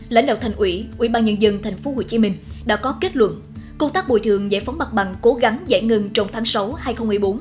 lãnh đạo thành ủy ủy ban nhân dân tp hcm đã có kết luận công tác bồi thường giải phóng mặt bằng cố gắng giải ngừng trong tháng sáu hai nghìn một mươi bốn